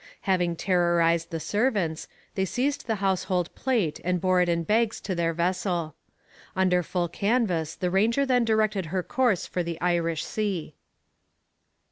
Having terrorized the servants, they seized the household plate and bore it in bags to their vessel. Under full canvas the Ranger then directed her course for the Irish Sea.